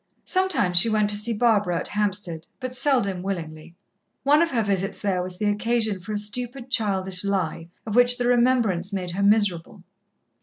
Sometimes she went to see Barbara at Hampstead, but seldom willingly. One of her visits there was the occasion for a stupid, childish lie, of which the remembrance made her miserable.